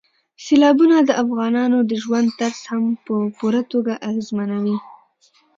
سیلابونه د افغانانو د ژوند طرز هم په پوره توګه اغېزمنوي.